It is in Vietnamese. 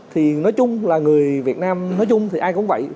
thì nói chung là người việt nam nói chung thì ai cũng vậy